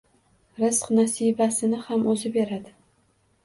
Rizq-nasibasini ham o`zi beradi